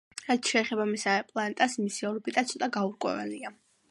რაც შეეხება მესამე პლანეტას, მისი ორბიტა ცოტა გაურკვეველია.